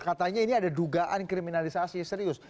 katanya ini ada dugaan kriminalisasi serius